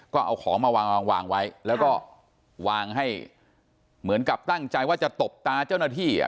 ก็เอาของมาวางวางไว้แล้วก็วางให้เหมือนกับตั้งใจว่าจะตบตาเจ้าหน้าที่